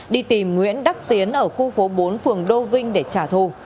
đi tìm nguyễn đắc tiến ở khu phố bốn phường đô vinh để trả thù